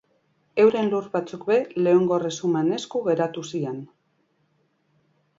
Euren lur batzuk ere Leongo erresumaren esku geratu ziren.